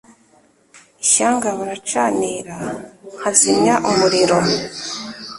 Ishyanga baracanira nkazimya umuriro